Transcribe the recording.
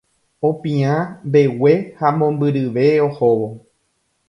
Opiã mbegue ha mombyryve ohóvo.